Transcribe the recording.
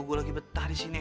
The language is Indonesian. gue lagi betah disini